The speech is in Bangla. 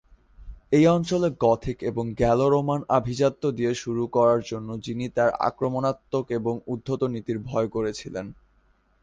এই অঞ্চলের গথিক এবং গ্যালো-রোমান আভিজাত্য দিয়ে শুরু করার জন্য, যিনি তার আক্রমণাত্মক এবং উদ্ধত নীতির ভয় করেছিলেন।